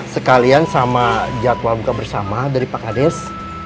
sekalian sama jadwal buka bersama dari pak kades